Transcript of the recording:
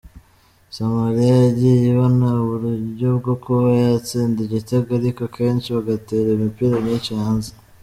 Somalia yagiye ibona uburyo bwo kuba yatsinda igitego ariko kenshi bagatera imipira myinshi hanze.